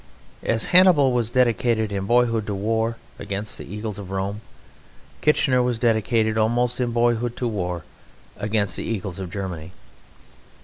As Hannibal was dedicated in boyhood to war against the eagles of Rome, Kitchener was dedicated, almost in boyhood, to war against the eagles of Germany.